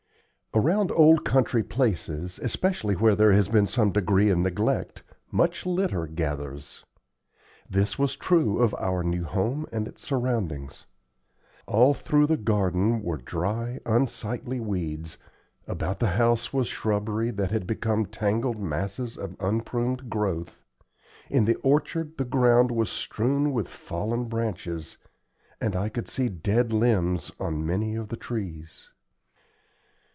Around old country places, especially where there has been some degree of neglect, much litter gathers. This was true of our new home and its surroundings. All through the garden were dry, unsightly weeds, about the house was shrubbery that had become tangled masses of unpruned growth, in the orchard the ground was strewn with fallen branches, and I could see dead limbs on many of the trees.